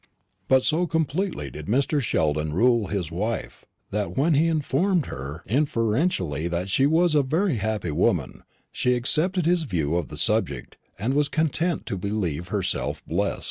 But so completely did Mr. Sheldon rule his wife, that when he informed her inferentially that she was a very happy woman, she accepted his view of the subject, and was content to believe herself blest.